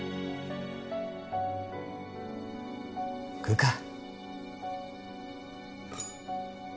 食うか。